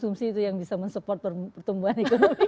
berkonsumsi itu yang bisa men support pertumbuhan ekonomi kita